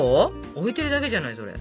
置いているだけじゃないそれ。